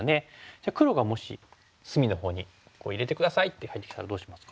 じゃあ黒がもし隅のほうに「入れて下さい」って入ってきたらどうしますか？